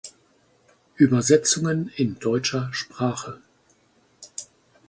Übersetzungen in deutscher Sprache